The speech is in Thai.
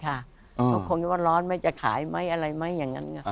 เขาคงจะว่าร้อนไหมจะขายไหมอะไรไหมอย่างนั้น